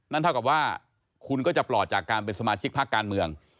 เท่ากับว่าคุณก็จะปลอดจากการเป็นสมาชิกพักการเมือง